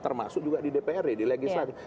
termasuk juga di dprd di legislatif